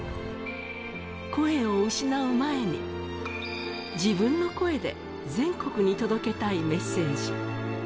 声を失う前に、自分の声で全国に届けたいメッセージ。